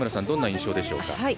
どんな印象でしょうか？